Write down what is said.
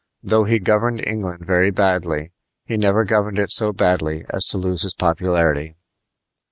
Though he governed England very badly, he never governed it so badly as to lose his popularity.